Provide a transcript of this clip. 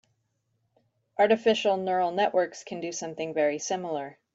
Artificial neural networks can do something very similar.